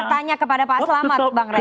tanya kepada pak selamat bang ray